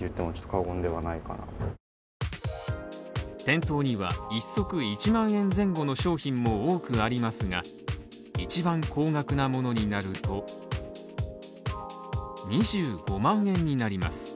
店頭には１足１万円前後の商品も多くありますが一番高額なものになると２５万円になります。